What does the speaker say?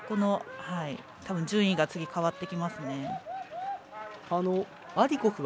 多分、順位が変わってきますね。